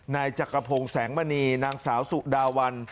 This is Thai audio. นายจักรพงศ์แสงมณีนางสาวสุดาวัน